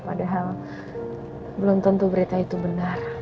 padahal belum tentu berita itu benar